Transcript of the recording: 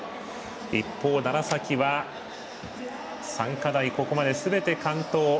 一方、楢崎は３回ここまで、すべて完登。